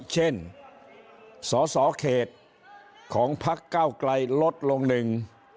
สอสอเขตของพักเก้าไกลลดลงหนึ่ง